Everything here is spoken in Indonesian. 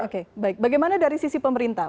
oke baik bagaimana dari sisi pemerintah